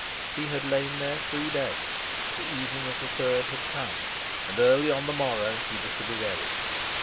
He had lain there three days; the evening of the third had come, and early on the morrow he was to be buried.